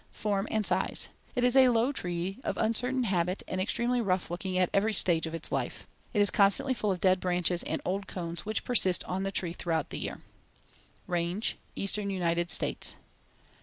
Form and size: It is a low tree of uncertain habit and extremely rough looking at every stage of its life. It is constantly full of dead branches and old cones which persist on the tree throughout the year. Range: Eastern United States.